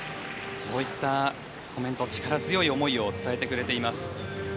そういったコメント力強い思いを伝えてくれています。